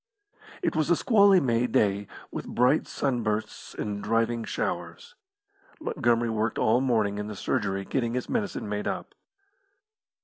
It was a squally May day, with bright sunbursts and driving showers. Montgomery worked all morning in the surgery getting his medicine made up.